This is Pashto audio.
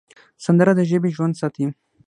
سندره د ژبې ژوند ساتي